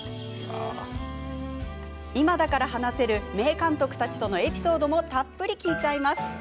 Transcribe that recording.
今だから話せる名監督たちとのエピソードもたっぷり聞いちゃいます。